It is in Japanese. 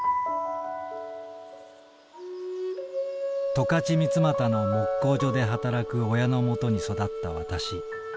「十勝三股の木工所で働く親の元に育った私。